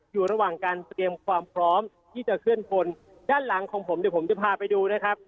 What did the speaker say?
อยู่ระหว่างการเตรียมความพร้อมที่จะเคลื่อนพลด้านหลังของผมเดี๋ยวผมจะพาไปดูนะครับ